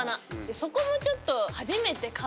そこもちょっと。